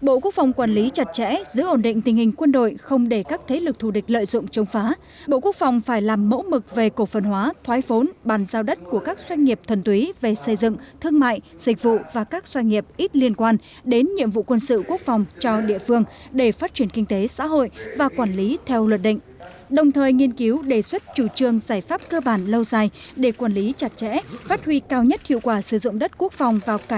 bộ quốc phòng quản lý chặt chẽ giữ ổn định tình hình quân đội không để các thế lực thù địch lợi dụng chống phá bộ quốc phòng phải làm mẫu mực về cổ phân hóa thoái phốn bàn giao đất của các doanh nghiệp thuần túy về xây dựng thương mại dịch vụ và các doanh nghiệp ít liên quan đến nhiệm vụ quân sự quốc phòng cho địa phương để phát triển kinh tế xã hội và quản lý theo luật định đồng thời nghiên cứu đề xuất chủ trương giải pháp cơ bản lâu dài để quản lý chặt chẽ phát huy cao nhất hiệu quả sử dụng đất quốc